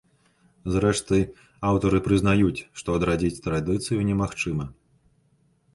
Зрэшты, аўтары прызнаюць, што адрадзіць традыцыю немагчыма.